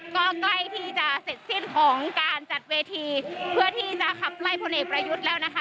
ก็ใกล้ที่จะเสร็จสิ้นของการจัดเวทีเพื่อที่จะขับไล่พลเอกประยุทธ์แล้วนะคะ